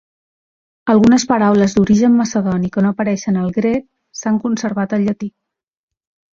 Algunes paraules d'origen macedoni que no apareixen al grec s'han conservat al llatí.